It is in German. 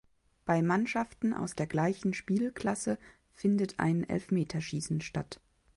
Bei Mannschaften aus der gleichen Spielklasse findet ein Elfmeterschießen statt.